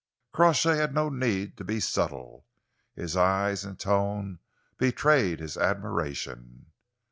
Crawshay had no need to be subtle. His eyes and tone betrayed his admiration.